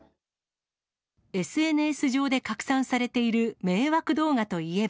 ＳＮＳ上で拡散されている迷惑動画といえば。